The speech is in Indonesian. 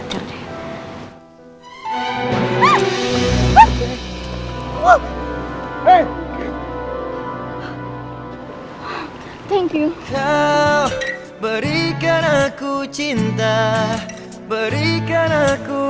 terima kasih yang kau berikan aku cinta berikan aku